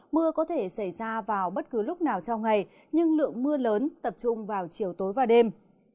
mưa có thể xảy ra vào bất cứ lúc nào trong ngày nhưng lượng mưa lớn tập trung vào chiều tối và đêm